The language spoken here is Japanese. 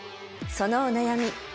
そのお悩み